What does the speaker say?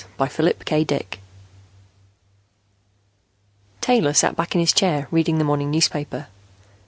_ Taylor sat back in his chair reading the morning newspaper.